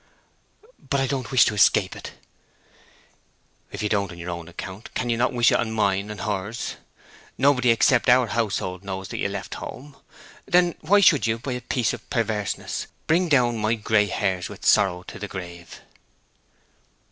"But I don't wish to escape it." "If you don't on your own account, cannot you wish to on mine and hers? Nobody except our household knows that you have left home. Then why should you, by a piece of perverseness, bring down my gray hairs with sorrow to the grave?"